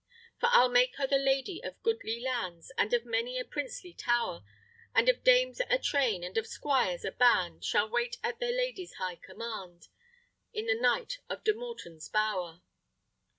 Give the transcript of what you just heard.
"For I'll make her the lady of goodly lands, And of many a princely tower; And of dames a train, and of squires a band, Shall wait at their lady's high command, In the Knight of de Morton's bower."